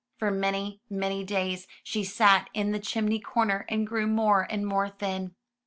For many, many days she sat in the chim ney corner, and grew more and more thin.